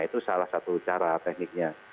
itu salah satu cara tekniknya